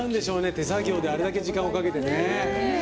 手作業であれだけ時間をかけてね。